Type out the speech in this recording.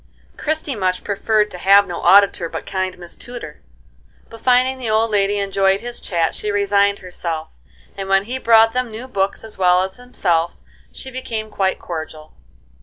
Christie much preferred to have no auditor but kind Miss Tudor; but finding the old lady enjoyed his chat she resigned herself, and when he brought them new books as well as himself, she became quite cordial.